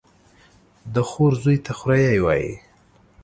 د خور زوى ته خوريه وايي.